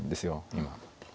今。